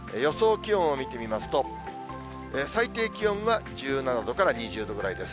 気温を見てみますと、最低気温は１７度から２０度ぐらいです。